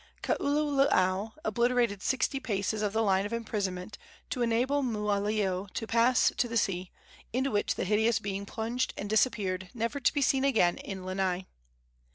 Kaululaau obliterated sixty paces of the line of imprisonment, to enable Mooaleo to pass to the sea, into which the hideous being plunged and disappeared, never to be seen again in Lanai.